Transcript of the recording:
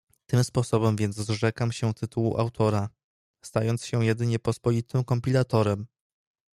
"Tym sposobem więc zrzekam się tytułu autora, stając się jedynie pospolitym kompilatorem."